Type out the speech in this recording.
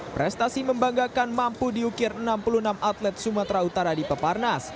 prestasi membanggakan mampu diukir enam puluh enam atlet sumatera utara di peparnas